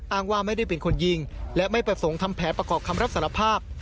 อ้างว่าไม่ได้เป็นคนยิงและไม่ประสงค์ทำแผนประกอบคำรับสารภาพ